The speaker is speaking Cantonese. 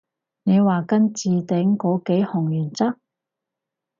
你話跟置頂嗰幾項原則？